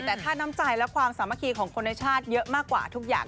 แต่ถ้าน้ำใจและความสามัคคีของคนในชาติเยอะมากกว่าทุกอย่าง